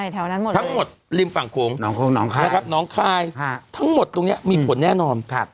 ถ้ามาทั้งหมดลิ่มฝั่งโค้งหนองคลายน้องคลายทั้งหมดตรงเนี้ยมีผลแน่นอนครับ